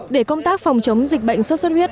để công tác phòng chống dịch bệnh xuất xuất huyết